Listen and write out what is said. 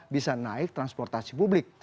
bisa naik transportasi publik